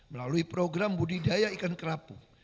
melalui program budidaya ikan kerapu